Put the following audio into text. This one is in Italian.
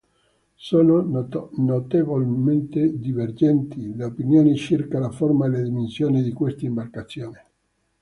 Sono notevolmente divergenti le opinioni circa la forma e le dimensioni di questa imbarcazione.